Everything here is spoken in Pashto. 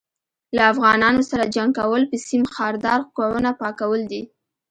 له افغانانو سره جنګ کول په سيم ښاردار کوونه پاکول دي